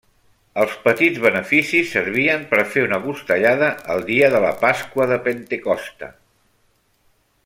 Els petits beneficis servien per fer una costellada el dia de la Pasqua de Pentecosta.